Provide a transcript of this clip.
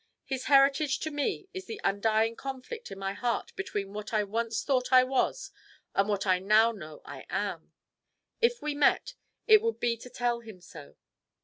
His heritage to me is the undying conflict in my heart between what I once thought I was and what I now know I am. If we met, it would be to tell him so.'